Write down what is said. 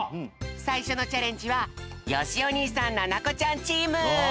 さいしょのチャレンジはよしお兄さんななこちゃんチーム！